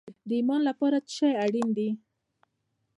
د ایمان لپاره څه شی اړین دی؟